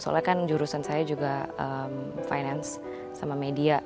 soalnya kan jurusan saya juga finance sama media